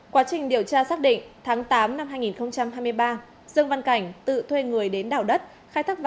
quá trình điều tra xác định tháng tám năm hai nghìn hai mươi ba dương văn cảnh tự thuê người đến đảo đất